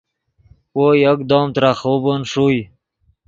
وو یکدم ترے خوبن ݰوئے